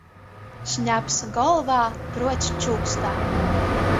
Šņabs golvā – pruots čūkstā.